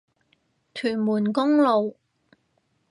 屯門公路